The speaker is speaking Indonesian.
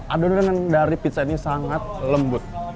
adonan yang dari pizza ini sangat lembut